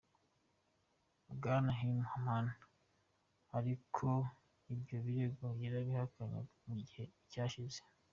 Bwana bin Hammam ariko ibyo birego yarabihakanye mu gihe cyashize